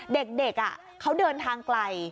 เด็กเขาเดินทางไกล